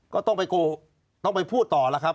ก็ต้องไปโกต้องไปพูดต่อล่ะครับ